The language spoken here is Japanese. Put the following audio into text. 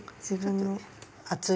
自分のわ。